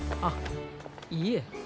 あっいえ。